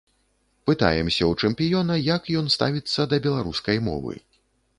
Пытаемся ў чэмпіёна, як ён ставіцца да беларускай мовы.